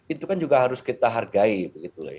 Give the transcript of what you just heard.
itu kan juga harus kita hargai begitu lah